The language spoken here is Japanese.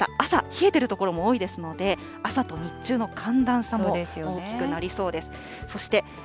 また朝、冷えている所も多いですので、朝と日中の寒暖差も大きくなりそうです。